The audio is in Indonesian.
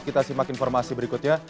kita simak informasi berikutnya